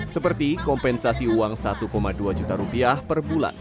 seperti kompensasi uang satu dua juta rupiah per bulan